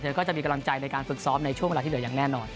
ก็จะมีกำลังใจในการฝึกซ้อมในช่วงเวลาที่เหลืออย่างแน่นอน